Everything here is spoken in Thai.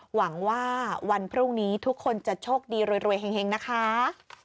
หวังว่าวันพรุ่งนี้ทุกคนจะโชคดีรวยเฮงนะคะ